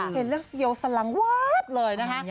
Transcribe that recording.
เห็นเรื่องเยียวสลังวาดเลยนะคะ